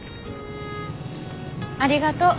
ありがとう。